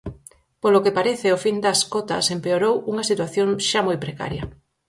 Polo que parece o fin das cotas empeorou unha situación xa moi precaria.